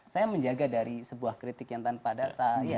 saya menjaga dari sebuah kritik yang tanpa data